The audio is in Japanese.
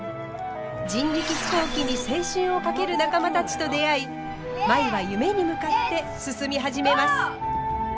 人力飛行機に青春を懸ける仲間たちと出会い舞は夢に向かって進み始めます。